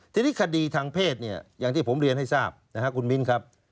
ทีนี้คดีทางเพศเนี่ยอย่างที่ผมเรียนให้ทราบนะครับคุณมิ้นครับ